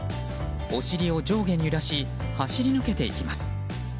お尻を上下に揺らし走り抜けていきます。